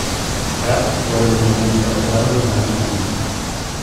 Krafft fue detenido y encarcelado durante un año.